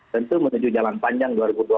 tentu menuju jalan panjang dua ribu dua puluh